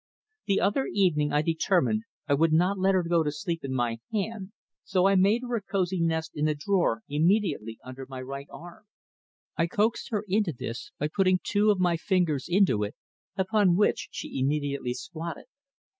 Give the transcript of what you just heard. "The other evening I determined I would not let her go to sleep in my hand, so I made her a cosy nest in the drawer immediately under my right arm. I coaxed her into this by putting two of my fingers into it, upon which she immediately squatted.